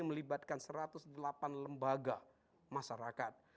melibatkan satu ratus delapan lembaga masyarakat